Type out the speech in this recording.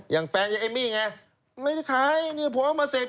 แล้วต่อมาก็ปฏิเสธนะ